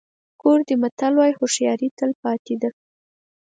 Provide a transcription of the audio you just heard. کوردي متل وایي هوښیاري تل پاتې ده.